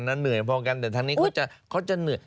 เหนื่อยพอกันแต่ทางนี้เขาจะเหนื่อย